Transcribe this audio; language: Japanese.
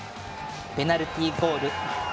ペナルティゴール。